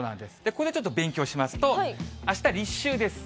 ここでちょっと勉強しますと、あした立秋です。